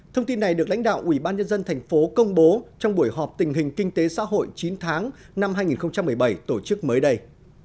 thông tin này được lãnh đạo ubnd tp công bố trong buổi họp tình hình kinh tế xã hội chín tháng năm hai nghìn một mươi bảy tổ chức mới đây